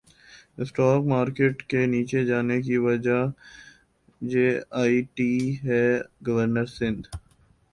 stock market کے نیچے جانے کی وجہ جے ائی ٹی ہے گورنر سندھ